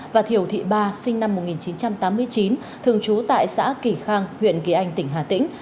và thiểu thị ba sinh năm một nghìn chín trăm tám mươi chín thường trú tại xã kỳ khang huyện kỳ anh tỉnh hà tĩnh